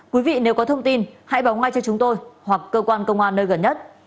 quý vị nếu có thông tin hãy báo ngay cho chúng tôi hoặc cơ quan công an nơi gần nhất